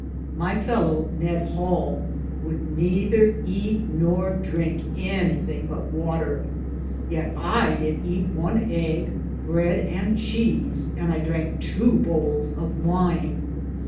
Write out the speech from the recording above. My fellow, Need Hale, would nether eate nor drinke anythinge but water, yeat I did eate one Ggge, bread and chese, and I dranke tow boules of wyne.